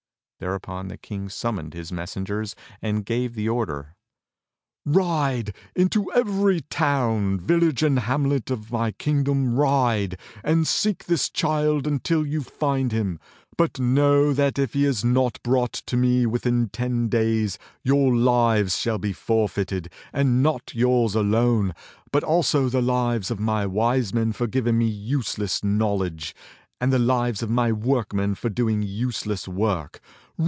Thereupon the King summoned his messengers and gave the order: "Ride! into every town, village and hamlet of my kingdom, ride! And seek this child until you find him; but know that if he is not brought to me within ten days, your lives shall be forfeited, and not yours alone, but also the lives of my Wise Men for giving me useless knowledge, and the lives of my workmen for doing useless work